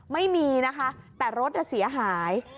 ไม่มีนะคะแต่รถเสียหาย